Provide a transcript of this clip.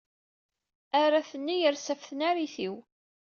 Arrat-nni yeres ɣef tnarit-iw.